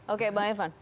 oke pak irfan